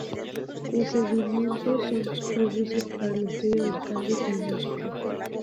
Sus sedimentos son propicios para el estudio del cambio climático.